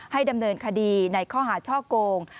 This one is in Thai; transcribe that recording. ดำเนินคดีในข้อหาช่อโกง